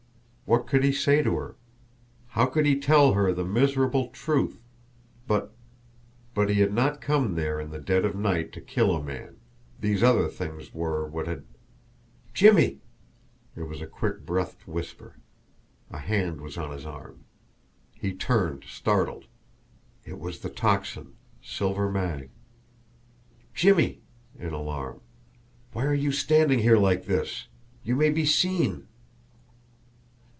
What could he say to her? How could he tell her the miserable truth? But but he had not come there in the dead of night to kill a man, these other things were what had "Jimmie!" It was a quick breathed whisper. A hand was on his arm. He turned, startled. It was the Tocsin Silver Mag. "Jimmie!" in alarm. "Why are you standing here like this? You may be SEEN!"